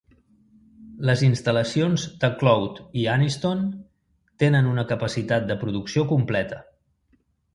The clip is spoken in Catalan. Les instal·lacions de Cloud i Anniston tenen una capacitat de producció completa.